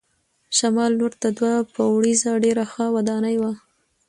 شمال لور ته دوه پوړیزه ډېره ښه ودانۍ وه.